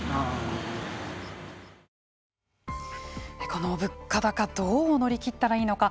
この物価高どう乗り切ったらいいのか。